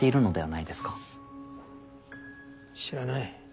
知らない。